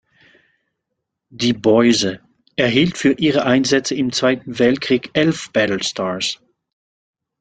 Die "Boise" erhielt für ihre Einsätze im Zweiten Weltkrieg elf Battle Stars.